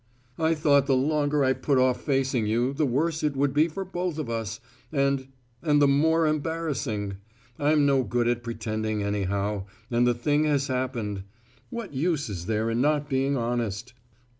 I thought the longer I put off facing you, the worse it would be for both of us and and the more embarrassing. I'm no good at pretending, anyhow; and the thing has happened. What use is there in not being honest?